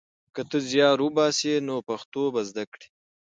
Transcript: که ته زیار وباسې نو پښتو به زده کړې.